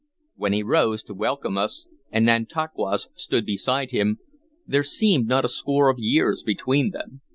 When he rose to welcome us, and Nantauquas stood beside him, there seemed not a score of years between them.